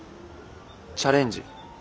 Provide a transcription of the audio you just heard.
チャレンジ？